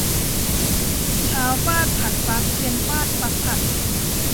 เช้าฟาดผัดฟัก เย็นฟาดฟักผัด